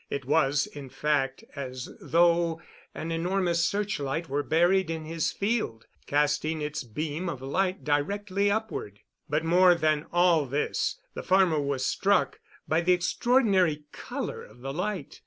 It was, in fact, as though an enormous searchlight were buried in his field, casting its beam of light directly upward. But more than all this, the farmer was struck by the extraordinary color of the light.